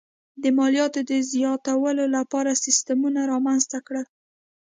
د مالیاتو د زیاتولو لپاره سیستمونه رامنځته کړل.